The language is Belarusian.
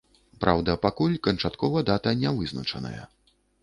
Праўда, пакуль канчаткова дата не вызначаная.